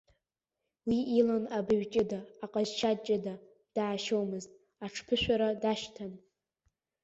Уи илан абаҩ ҷыда, аҟазшьа ҷыда, даашьомызт, аҽԥышәара дашьҭан.